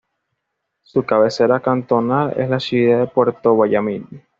Su cabecera cantonal es la ciudad de Puerto Villamil.